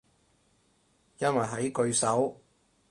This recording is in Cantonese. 因為喺句首